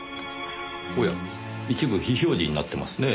おや一部非表示になってますねぇ。